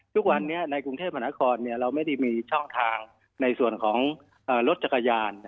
ทุกวันนี้ในกรุงเทพมหานครเราไม่ได้มีช่องทางในส่วนของรถจักรยาน